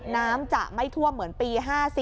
น้ำจะไม่ท่วมเหมือนปี๕๔